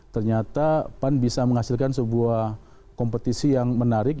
ternyata pan bisa menghasilkan sebuah kompetisi yang menarik